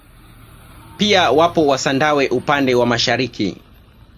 Pia wapo wasandawe upande wa mashariki